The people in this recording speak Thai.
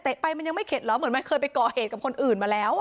ไปมันยังไม่เข็ดเหรอเหมือนมันเคยไปก่อเหตุกับคนอื่นมาแล้ว